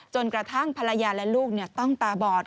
จนกระทั่งภรรยาและลูกต้องตาบอด